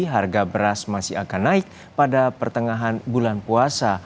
harga beras masih akan naik pada pertengahan bulan puasa